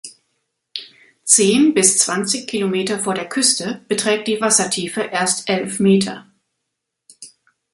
Zehn bis zwanzig Kilometer vor der Küste beträgt die Wassertiefe erst elf Meter.